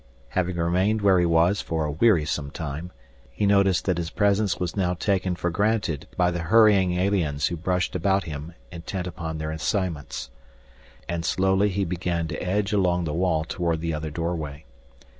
Having remained where he was for a wearisome time, he noticed that his presence was now taken for granted by the hurrying aliens who brushed about him intent upon their assignments. And slowly he began to edge along the wall toward the other doorway.